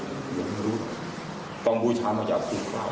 อย่างที่รู้ต้องบูชามาจากทุกฝ่าย